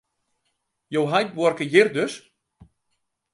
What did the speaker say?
Jo heit buorke hjir dus?